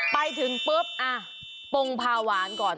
ไปถึงปุ๊บอ่ะปรุงพาหวานก่อน